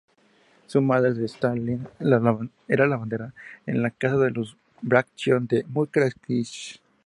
La madre de Stalin era lavandera en casa de los Bagratión-Mukhranski.